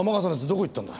どこ行ったんだ？